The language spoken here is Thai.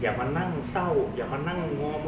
อย่าขนักเกิดเกลียดอย่างนั้นเฝ้าอย่างเกี่ยวกันหน่อย